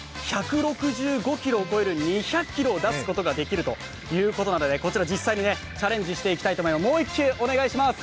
１６５キロを超える２００キロを出すことができるということでこちら実際にチャレンジしていきたいと思います。